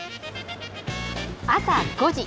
朝５時。